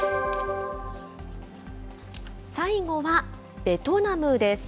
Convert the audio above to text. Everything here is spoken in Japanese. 最後は、ベトナムです。